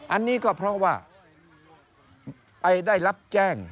อันนี้ก็เพราะว่าไปได้รับแจ้ง